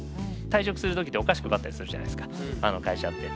退職する時ってお菓子配ったりするじゃないですか会社って。